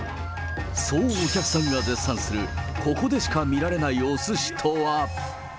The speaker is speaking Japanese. そうお客さんが絶賛する、ここでしか見られないおすしとは。